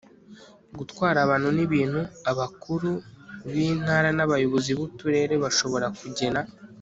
gutwara abantu n ibintu abakuru b intara n abayobozi b uturere bashobora kugena